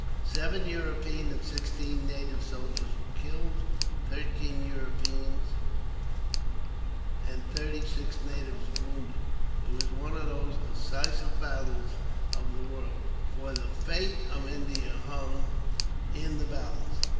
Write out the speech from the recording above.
Seven European and sixteen native soldiers were killed, thirteen Europeans and thirty six natives wounded. It was one of the decisive battles of the world, for the fate of India hung in the balance.